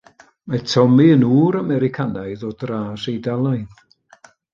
Mae Tommy yn ŵr Americanaidd o dras Eidalaidd.